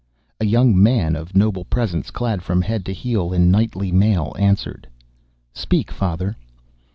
A young man of noble presence, clad from head to heel in knightly mail, answered: "Speak, father!"